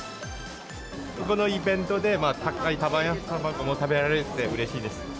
このイベントで高い卵も食べられてうれしいです。